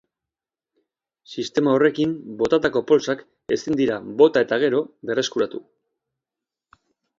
Sistema horrekin botatako poltsak ezin dira bota eta gero berreskuratu.